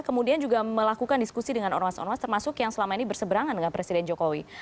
kemudian juga melakukan diskusi dengan ormas ormas termasuk yang selama ini berseberangan dengan presiden jokowi